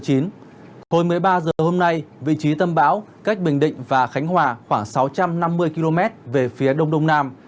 hồi một mươi ba h hôm nay vị trí tâm bão cách bình định và khánh hòa khoảng sáu trăm năm mươi km về phía đông đông nam